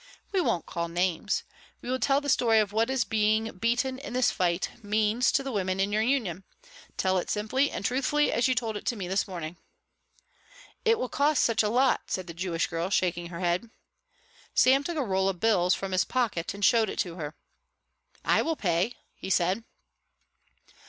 We won't call names. We will tell the story of what being beaten in this fight means to the women in your union, tell it simply and truthfully as you told it to me this morning." "It will cost such a lot," said the Jewish girl, shaking her head. Sam took a roll of bills from his pocket and showed it to her. "I will pay," he said.